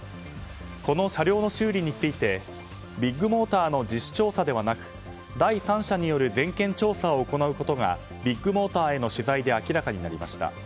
この車両の修理についてビッグモーターの自主調査ではなく第三者による全件調査を行うことがビッグモーターへの取材で明らかになりました。